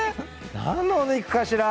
何のお肉かしら。